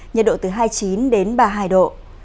nhiệt độ từ hai mươi chín đến ba mươi hai độ